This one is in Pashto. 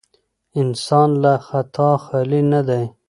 انسان له خطا خالي نه دی.